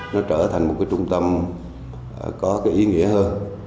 nó trở thành một cái trung tâm có cái ý nghĩa hơn